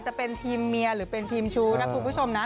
จะเป็นทีมเมียหรือเป็นทีมชู้นะคุณผู้ชมนะ